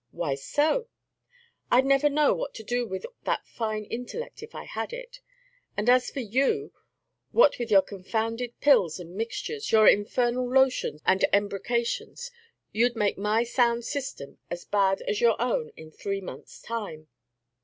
"Why so?" "I'd never know what to do with that fine intellect if I had it; and as for you, what with your confounded pills and mixtures, your infernal lotions and embrocations, you'd make my sound system as bad as your own in three months' time."